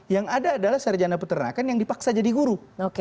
yang ada adalah sarjana peternakan yang dipaksa jadi guru